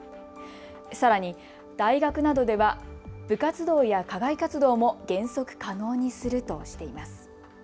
さらに大学などでは部活動や課外活動も原則、可能にするとしています。